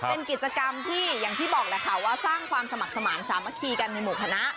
เป็นกิจกรรมที่อย่างที่บอกแหละค่ะว่าสร้างความสมัครสมาธิสามัคคีกันในหมู่คณะ